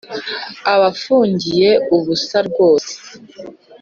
abafungiye ubusa rwose